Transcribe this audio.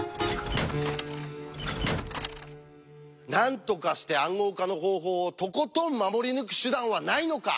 なんとかして暗号化の方法をとことん守り抜く手段はないのか！